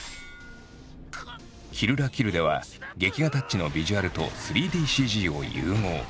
「キルラキル」では劇画タッチのビジュアルと３ＤＣＧを融合。